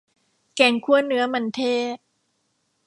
แกงคั่วเนื้อมันเทศ